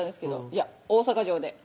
「いや大阪城で」